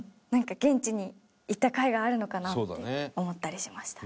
現地に行ったかいがあるのかなって思ったりしました。